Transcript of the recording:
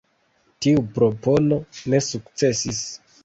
Tiu propono ne sukcesis.